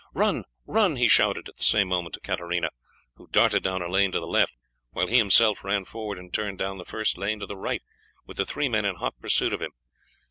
"Run, run!" he shouted at the same moment to Katarina, who darted down a lane to the left, while he himself ran forward and turned down the first lane to the right with the three men in hot pursuit of him.